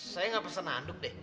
saya nggak pernah nanduk deh